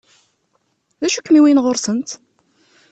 D acu i kem-iwwin ɣur-sent?